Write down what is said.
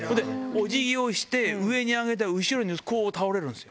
おじぎをして、上にあげたら、後ろにこう、倒れるんです。